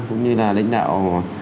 cũng như là lãnh đạo